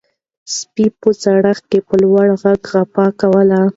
سپي په سړک کې په لوړ غږ غپا کوله.